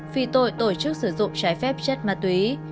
vì tội tổ chức sử dụng trái phép chất ma túy